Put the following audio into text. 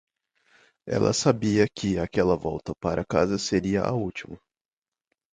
Ela sabia que aquela volta para casa seria a última.